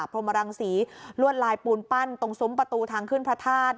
พรมรังศรีลวดลายปูนปั้นตรงซุ้มประตูทางขึ้นพระธาตุ